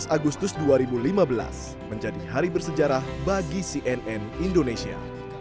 tujuh belas agustus dua ribu lima belas menjadi hari bersejarah bagi cnn indonesia